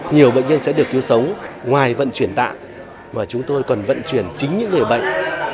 nhiều bệnh nhân sẽ được cứu sống ngoài vận chuyển tạng và chúng tôi còn vận chuyển chính những người bệnh